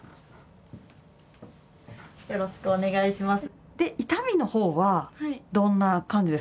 よろしくお願いします。